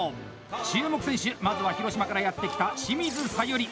注目選手、まずは広島からやって来た清水小百合！